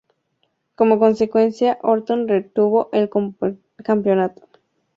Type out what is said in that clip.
Como consecuencia, Orton retuvo el campeonato.